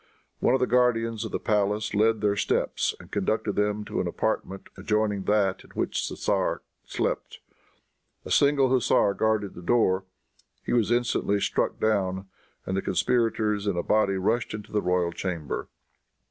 One of the guardians of the palace led their steps and conducted them to an apartment adjoining that in which the tzar slept. A single hussar guarded the door. He was instantly struck down, and the conspirators in a body rushed into the royal chamber.